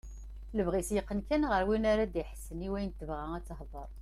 Lebɣi-s yeqqen kan ɣer win ara as-d-iḥessen i wayen tebɣa ad tehder.